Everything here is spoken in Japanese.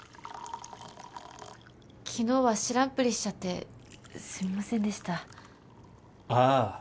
昨日は知らんぷりしちゃってすみませんでしたああ